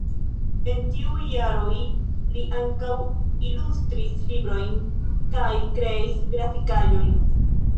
En tiuj jaroj li ankaŭ ilustris librojn kaj kreis grafikaĵojn.